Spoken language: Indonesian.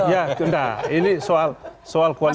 ya tidak ini soal koalisi kami